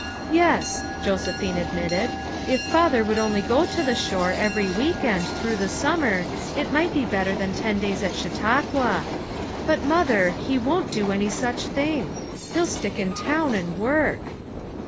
"Yes," Josephine admitted, "if Father would only go to the shore every week end through the summer it might be better than ten days at Chautauqua. But, Mother, he won't do any such thing; he'll slick in town and work."